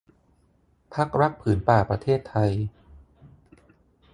พรรครักษ์ผืนป่าประเทศไทย